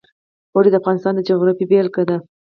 اوړي د افغانستان د جغرافیې بېلګه ده.